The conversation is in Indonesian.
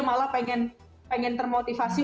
malah pengen termotivasi